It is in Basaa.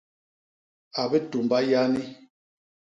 A bitumba yani.